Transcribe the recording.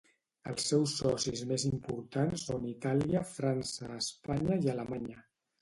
Els seus socis més importants són Itàlia, França, Espanya i Alemanya.